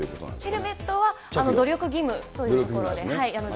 ヘルメットは努力義務というところで。